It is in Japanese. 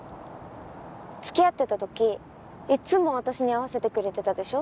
つきあってた時いっつも私に合わせてくれてたでしょ？